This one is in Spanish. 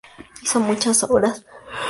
Hizo muchas obras.